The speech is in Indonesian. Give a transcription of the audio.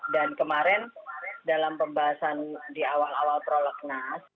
dan kemarin dalam pembahasan di awal awal proletariat